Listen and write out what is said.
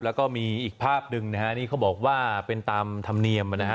แล้วก็มีอีกภาพหนึ่งนะฮะนี่เขาบอกว่าเป็นตามธรรมเนียมนะฮะ